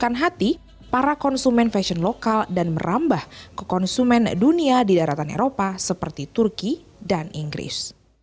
menyerahkan hati para konsumen fashion lokal dan merambah ke konsumen dunia di daratan eropa seperti turki dan inggris